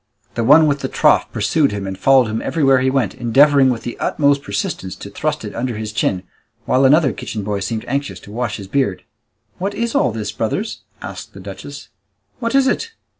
The one with the trough pursued him and followed him everywhere he went, endeavouring with the utmost persistence to thrust it under his chin, while another kitchen boy seemed anxious to wash his beard. "What is all this, brothers?" asked the duchess. "What is it?